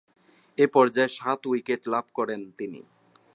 এ পর্যায়ে সাত উইকেট লাভ করেন তিনি।